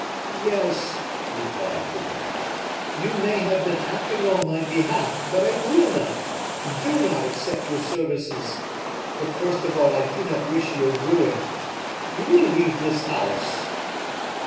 "Yes," replied Fouquet, "you may have been acting on my behalf, but I will not, do not, accept your services. But, first of all, I do not wish your ruin. You will leave this house."